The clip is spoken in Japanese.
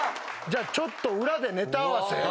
ちょっと裏でネタ合わせ。